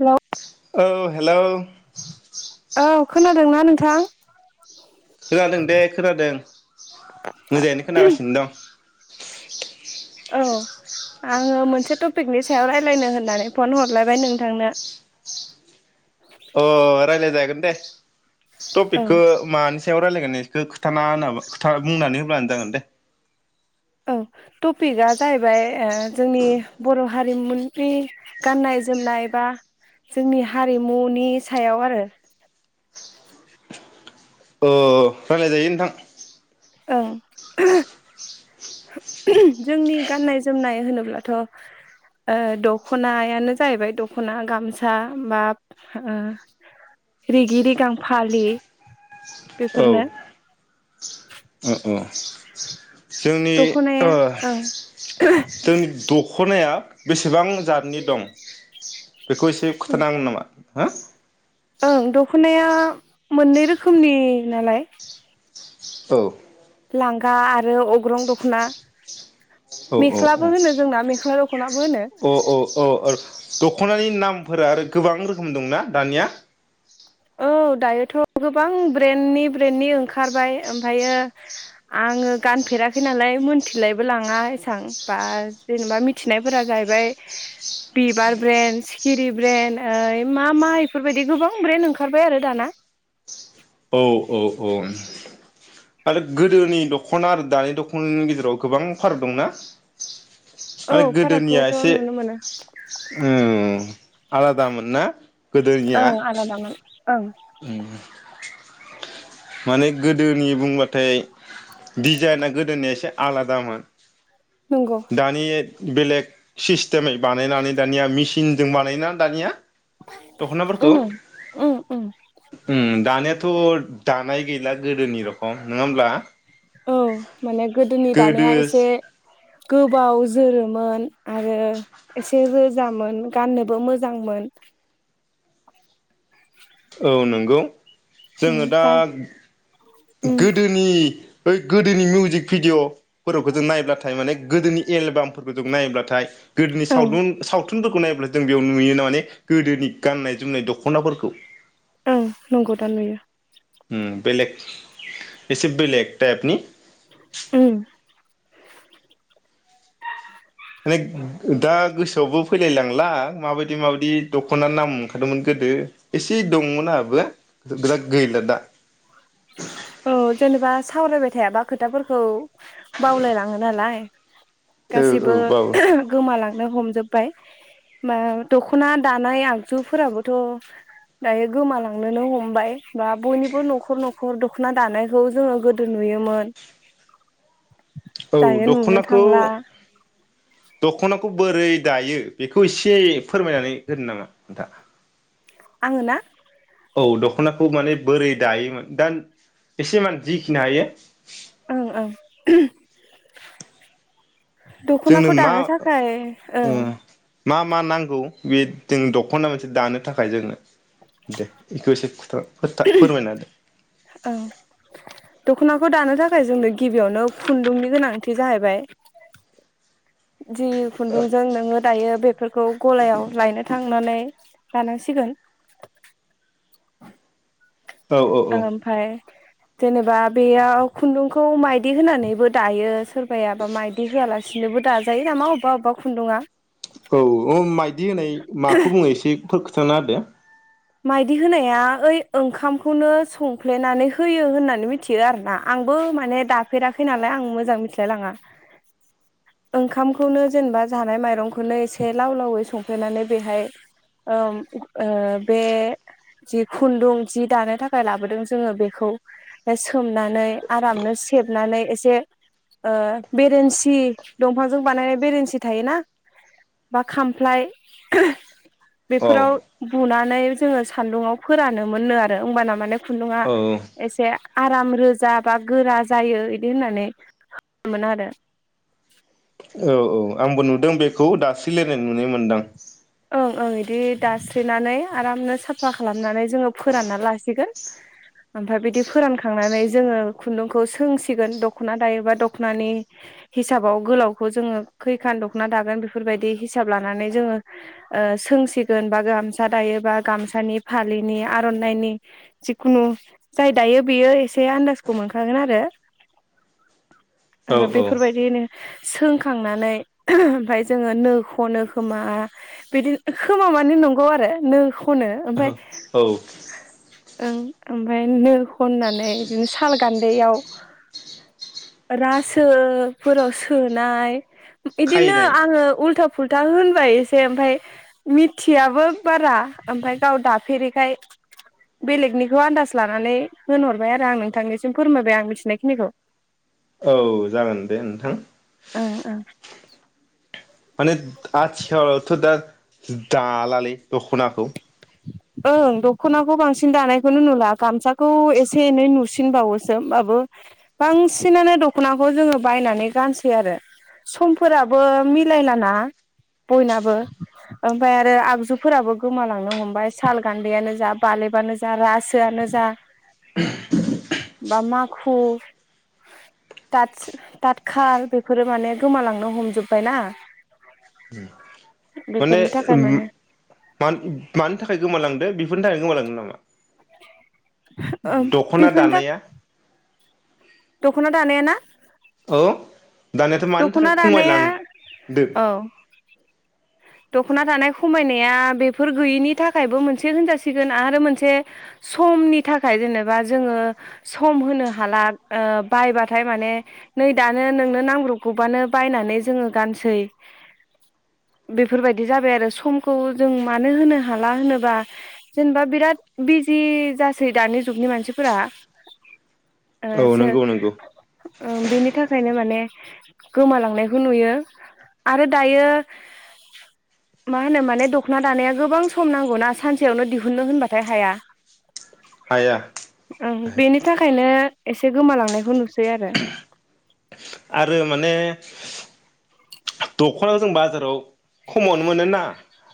Hello औ hello औ खोना दोंना नोंथां? खोनादों दे खोनादों। मोजायैनो खोनागासिनो दं। औ आङो मोनसे टपिकनि सायाव रायलायनो होननानै फन हरलायबाय नोंथांनो। अ रायलाय जागोन दे। औ। टपिकखो मानिस सायाव रायज्लायगोन एखो खोथाना होनाबा खोथा बुंनानै होब्लानो जागोन दे। औ टपिकआ जाहैबाय ओ जोंनि बर' हारिमुनि गाननाय जोमनाय बा जोंनि हारिमुनि सायाव आरो। अ रायलायजायो नोंथां। ओं जोंनि गाननाय जोमनाय होनोब्लाथ' ओ दख'नायानो जाहैबाय दख'ना गामसा बा ओ रिगि रिगां फालि औ बेफोरनो औ [inaudible] जोंनि दख'नाया ओं जोंनि दख खनाया बेसेबां जादनि दं बेखौ एसे खिथानांगोन नामा? हो ओं दख'नाया मोननै रोखोमनि नालाय औ लांगा आरो अग्रं दख'ना औ औ औ मेख्लाबो औ होनो जोंना मेख्ला दख'नाबो होनो अ अ अ अ दख'नानि नामफोरा आरो गोबां रोखोम दंना दानिया औ दायोथ' गोबां ब्रेन्डनि ब्रेन्डनि ओंखारबाय ओमफ्रायो आङो गानफेराखै नालाय मोनथिलायबो लाङा एसबां बा जेनेबा मिथिनायफोरा जाहैबाय बिबार ब्रेन्ड सिखिरि ब्रेन्ड ओ मा मा इफोरबायदि गोबां ब्रेन्ड ओंखार ओंखारबाय आरो दाना औ औ औ आरो गोदोनि दख'ना आरो दानि दख'नानि गेजेराव गोबां फाराग दंना औ माने गोदोनिया फारागखौथ' एसे नुनो मोनो ओन आलादामोन ना गोदोनिया ओं आलादामोन ओं नै गोदोनि बुंबाथाय डिजाइना गोदोनिया एसे आलादामोन। नंगौ दानि बेलेग सिस तेमै बानायनानै दानिया मिसि सिनजों बानायोना दानिया। दख'नाफोरखौ उम उम उम उम। दानियाथ' दानाय गैला गोदोनि रखम नङा होमब्ला? औ माने गोदोनि गोदो दानाया एसे गोबाव जोरोमोन आरो एसे रोजामोन गाननोबो मोजांमोन। औ नंगौ। जोङो दा ओमफ्राय उम गोदोनि बै गोदोनि मिउजिक भिडिअ'फोरखौ जों नायब्लाथाय माने गोदोनि एलबामफोरखौ जों नायब्लाथाय गोदोनि ओं सावुन सावथुनफोरखौ नायब्लाथाय जों बेयाव नुयोना माने गोदोनि गाननाय जोमनाय दख'नाफोरखौ। ओं नंगौ दा नुयो। उम बेलेग एसे बेलेग तायेपनि। उम। माने दा गोसोआवबो फैलायलांला माबायदि माबायदि दख'ना नाम ओंखारदोंमोन गोदो एसे दंमोन आंहाबोरा गैला दा। औ जेनेबा सावरायबाय थायाबा खोथाफोरखौ बावलाय लाङो नालाय। औ औ गासैबो बाबु गोमालांनो हमजोबबाय। मा दख'ना दानाय आगजुफोराबोथ' दायो गोमालांनोनो हमबाय बा बयनिबो न'खर न'ख न'खर दख'ना दानायखौ जोङो गोदो नुयोमोन। औ दायो नुनो दख'नाखौ थांला दख'नाखौ बोरै दायो बेखौ एसे फोरमायनानै होनो नामा नोंथां। आङो ना? औ दख'नाखौ माने बोरै दायोमोन दा एसेमान जिखिनि हायो। ओं ओं। जोंनो दख'नाखौ मा दानो थाखाय ओ ओं। मा मा नांगौ बे जों दख'ना मोनसे दानो थाखाय जोङो दे बेखौ एसे खोथा। [unintelligible] फोरमायना होदो। ओं दख'नाखौ दानो थाखाय जोंनो गिबियावनो खुन्दुंनि गोनांथि जाहैबाय। जि खुन्दुंजों नोङो दायो बे फोरखौ गलायाव लायनो थांनानै लानांसिगोन। औ औ ओमफाय जेनेबा बेयाव खुन्दुंखौ माइदि होनानैबो दायो सोरबायाबा माइदि होआलासिनोबो दाजायो नामा अबबा अबबा खुन्दुङा औ अ माइदि होनाय माखौ बुङो एसे फोर [unintelligible] माइदि होनाया ओइ ओंखामखौनो संफ्लेनानै होयो होननानै मिथियो आरोना आंबो माने दाफेराखै नालाय आं मोजां मिथिलाय लाङा ओंखामखौनो जेनेबा जानाय माइरंखौनो एसे लाव लावै संफ्लेनानै बेहाय ओम ओ बे जि खुन्दुं जि दानो थाखाय लाबोदों जोङो बेखौ सोमनानै आरामनो सेबनानै एसे ओ बेरेन्सि दंफांजों बानायनाय बेरेन्सि थायोना बा खामफ्लाय औ बेफोराव बुना नै जोङो सान्दुंङाव फोरानो मोननो आरो होमबाना माने खुन्दुङा औ एसे आराम रोजा बा गोरा जायो इदि होननानै मोन आरो औ औ आंबो नुदों बेखौ दास्रिलायनाय नुनाय मोनदां। ओं ओं इदि दास्रिनानै आरामनो साफा खालामनानै जोङो फोरानना लासिगोन ओमफाय बिदि फोरानखांनानै जोङो खुन्दुंखौ सोंसिगोन दख'ना दायोबा दख'नानि हिसाबाव गोलावखौ जोङो खैखान दख'ना दागोन बेफोरबायदि हिसाब लानानै जोङो ओ सोंसिगोन बा गामसा दायो बा गामसानि फालिनि आर'नाइनि जिखुनु जाय दायो बेयो एसे आन्दाजखौ मोनखागोन आरो औ ओ औ बेफोरबायदिनो सोंखांनानै ओमफाय जोङो नो खनो खोमा बिदि खोमा माने नंगौ आरो नो खनो ओमफाय औ ओं ओमफाय नो खननानै बिदिनो साल गान्दैयाव रासोफोराव सोनाय इदिनो खायनाय आङो उल्था फुल्था होनबाय [unintelligible] ओमफाय मिथियाबो बारा ओमफाय गाव दाफे औ जागोन दे नोंथां ओं ओं माने आथिखालावथ' दा दालालै दख'नाखौ ओं दख'नाखौ बांसिन दानायखौनो नुला गामसाखौ एसे एनै नुसिनबावोसो होमबाबो बांसिनानो दख'नाखौ जोङो बायनानै गानसै आरो समफोराबो मिलायलाना बयनाबो ओमफाय आरो आगजुफोराबो गोमालांनो हम बाय साल गान्दैआनो जा बालेबानो जा रासोआनो जा बा माखु तातस ताथखाल बेफोरो माने गोमालांनो हमजोब्बायना? माने बेफोरनि थाखाय उम माने मान मान थाखाय गोमालांदो बेफोरनि थाखाय गोमाला [unintelligible] नामा? ओं दख'ना बेफोरनि थाख दानाया दख'ना दानाया ना? औ दानियाथ' मानि थाखाय दख'ना खमाय लां दानाया दो? औ दख'ना दानाय खमायनाया बेफोर गैयिनि थाखायबो मोनसे होनजासिगोन आरो मोनसे समनि थाखाय जेनेबा जोङो सम होनो हाला ओ बायबाथाय माने नै दानो नोंनो नांब्रबगौबानो बायनानै जोङो गानसै। बेफोरबायदि जाबाय आरो समखौ जों मानो होनो हाला होनोबा जेनेबा बिराद बिजि जासै दानि जुगनि मानसिफोरा। ओ औ सो नंगौ नंगौ ओम बेनि थाखायनो माने गोमालांनायखौ नुयो आरो दायो मा होनो माने दख'ना दानाया गोबां सम नांगौना सानसेयावनो दिहुनो होनबाथाय हाया। हाया ओं बेनि थाखायनो एसे गोमालांनायखौ नुसै आरो। आरो माने दख'ना जों बाजाराव खमावनो मोनोना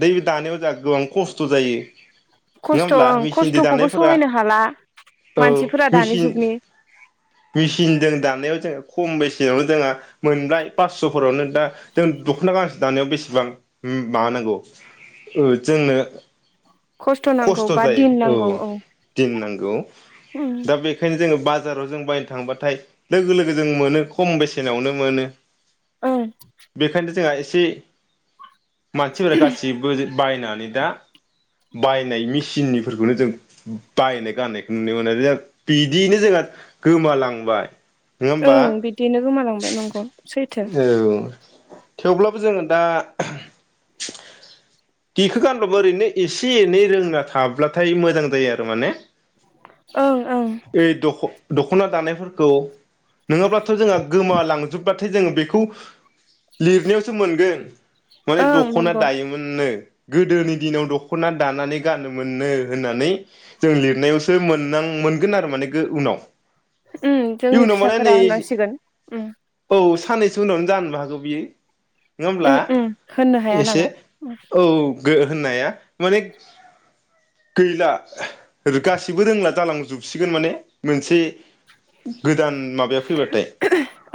दै दानायाव जोंहा गोबां खस्थ' जायो। नङा खस्थ' होमब्ला ओं मेचिनदो खस्थ'खौबो दानायफोरा सहायनो हाला औ मानसिफोरा दानि मिचिन जुगनि मेचिनदों दानायाव जोङो खम बेसेनावनो जोंङा मोनब्लाय पासस'फोरावनो दा जों दख'ना गांसे दानायाव बेसेबां उम माबा नांगौ ओ जोंनो नांगौ खस्थ' बा दिन जायो नांगौ औ दिननांगौ ओं दा बेखायनो जोङो बाज जाराव जों बायनो थांबाथाय लोगो लोगो जों मोनो खम बेसेनावनो मोनो। ओं बेखायनो जोंहा एस सि मानसिफोरा गासिबो बायनानै दा बायनाय मेसिननिफोरखौनो जों बायनाय गाननायखौ नुनो मोनो जों। बिदियैनो जोंहा गोमालांबाय। नङा होमबा ओं बिदिनो गोमालांबाय नंगौ सैथो। औ थेवब्लाबो जोङो दा दिखो गानब्लाबो ओरैनो एसे एनै रोंना थाब्लाथाय मोजां जायो आरो माने। ओं ओं ऐ दख' दख'ना दानायफोरखौ नोङाब्लाथ' जोंहा गोमालांजोबबा थाय जोङो बेखौ लिरनायावसो मोनगोन। तोइत माने ओं दख'ना नंगौ दायोमोननो गोदोनि दिनाव दख'ना दानानै गानो मोननो होननानै जों लिरनायावसो मोननां मोनगोन आरो माने उनाव। उम जोंनि इयुनाव माने नै फिसाफोरा होननांसिगोन उम औ साननैसो उनावनो जानो हागौ बियो। नङा होमब्ला उम उम होननो हाया एसे नामा उम। औ गो होननाया माने गैला गासिबो रोंला जालांजोबसिगोन माने मोनसे गोदान माबाया फैबाथाय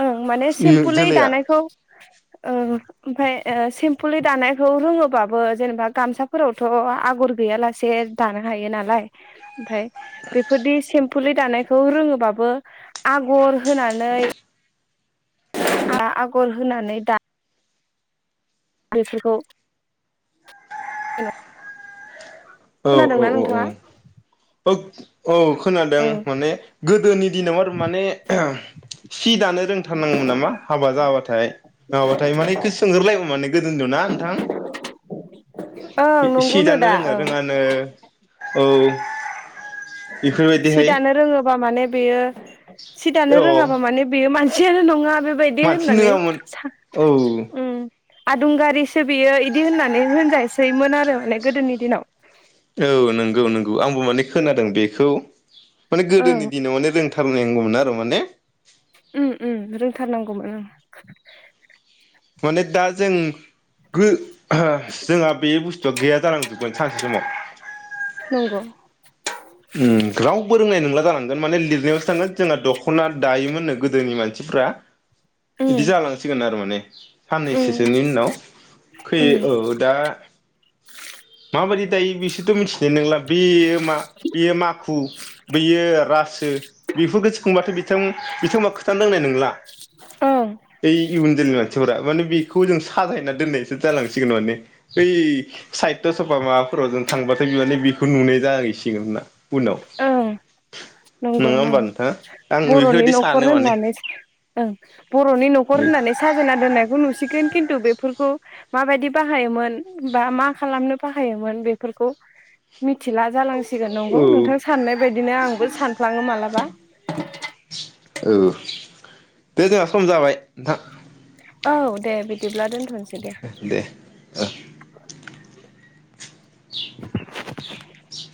ओं माने सिमपुलै जोलैया दानायखौ ओं ओमफाय ओ सेम्पुलै दानायखौ रोङोबाबो जेनेबा गामसाफोरावथ' आगर गैयालासे दानो हायो नालाय ओमफ्राय बेफोरदि सेम्पुलै दानायखौ रोङोबाबो आ गर होनानै दा आगर होनानै दा बेफोरखौ औ औ खोनादोंना औ नोंथाङा औ। ओग। औ खोनादों ओं माने गोदोनि दिनाव आरो माने ओहोम सि दानो रोंथारनांगौमोन नामा हाबा जाबाथाय नङाबाथाय माने सोंगोरलायो माने गोदोनि दिनाव ना नोंथां? ओं सि नंगौनो दानो दा रोङो ओं रोङानो औ। सि बेफोरबायदिहाय दानो रोङोबा माने बेयो सि दानो औ रोङाबा माने बेयो मान सियानो नङा बेबायदि मानसि होननानै नङामोन सा औ उम। आदुंगारिसो बियो इदि होननानै होनजासैमोन आरो माने गोदोनि दिनाव। औ नोंगौ नोंगौ आंबो माने खोनादों बेखौ। माने गोदोनि ओं दिनाव माने रों खालानांगौमोन आरो माने उम उम रोंथारनां गौ उम। माने दा जों गो जोंहा बे बुस्थुआ गैया जालांजोबगोन सानसे समाव। नंगौ। उम रावबो रोंनाय नंला जागोन माने लिरनायावसो थांगोन जोंहा दख'ना दायोमोन नो गोदोनि मान सिफ्रा। उम इदि जालांसिगोन आरो माने। [unintelligible] उम साननैसोसोनि उनाव खै उम औ दा माबायदि दायो बिसो रथ' मिथिनाय नंला बेयो मा। बेयो माखु बैयो रासो बेफोरखौ सोंबाथ' बिथां-बिथांमोना खोथानो रोंनाय नोंला। ओं बै इयुन जोलैनि मानसिफोरा। माने बेखौ जों साजायना दोननायसो जालांसिगोन माने। ओइ साहित्य सभा माबाफोराव जों थांबाथाय बे माने बेखौ नुनाय जाहैसिगोन उनाव ओं नंगौ नङा होमबा नंगौ। नोंथां आं बर'नि बेफोरबायदि न'खर सानो माने होननानै ओं बर'नि न'खर होननानै साजायना दोननायखौ नुसिगोन। खिन्थु बेफोरखौ माबायदि बाहायोमोन बा मा खालामनो बाहायोमोन बेफोरखौ मिथिला जालांसि गोन औ नंगौ नोंथां साननाय बायदिनो आंबो सानफ्लाङो मालाबा। औ दे जोंहा सम जाबाय नोंथां। औ दे बिदिब्ला दोनथ'नोसै दे ओ। [unintelligible] [inaudible]